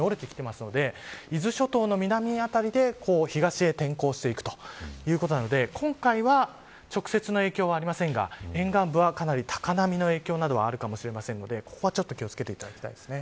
伊豆諸島の南辺りで東へ転向していくということなので今回は直接の影響はありませんが沿岸部は、かなり高波の影響などはあるかもしれないのでここは気を付けていただきたいです。